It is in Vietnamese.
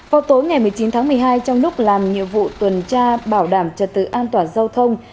vào tối ngày một mươi chín tháng một mươi hai trong lúc làm nhiệm vụ tuần tra bảo đảm trật tự an toàn giao thông